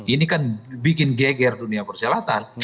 ini kan bikin geger dunia persyaratan